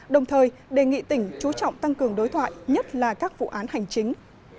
đồng thời đề nghị tỉnh chú trọng tăng cường đối thoại nhất là các vụ án hành chính